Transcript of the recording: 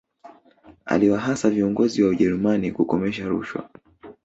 aliwahasa viongozi wa ujerumani kukomesha rushwa